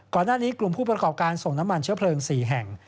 ก่อนหน้านี้กลุ่มผู้ประกอบการส่งน้ำมันเชื้อเพลิง๔แห่ง